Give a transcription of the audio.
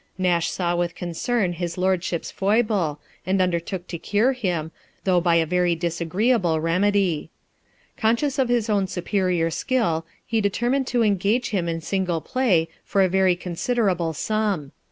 Nash saw with concern his lordship's foible, and undertook to cure him, though by a very disagreeable remedy. Conscious of his own superior skill, he determined to engage him in single play for a very considerable sum.